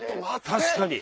確かに。